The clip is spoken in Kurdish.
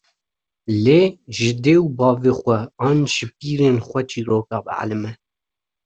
lê ji dê û bavê xwe an ji pîrên xwe çîroka bielime